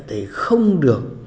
thì không được